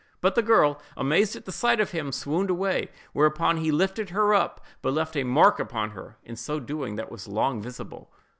But the girl, amazed at the sight of him, swooned away; whereupon he lifted her up, but left a mark upon her, in so doing, that was long visible.